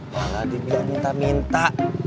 malah dia bilang minta minta